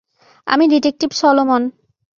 আমি detective Solomon.